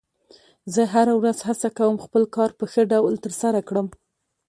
زه هره ورځ هڅه کوم خپل کار په ښه ډول ترسره کړم